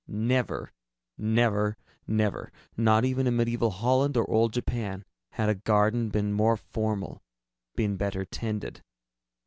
Never, never, never not even in medieval Holland nor old Japan had a garden been more formal, been better tended.